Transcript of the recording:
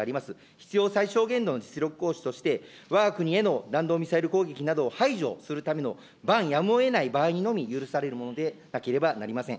必要最小限度の実力行使として、わが国への弾道ミサイル攻撃などを排除するための、ばんやむをえない場合のみ許されるものでなければなりません。